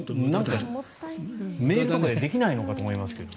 メールとかでできないのかと思いますけど。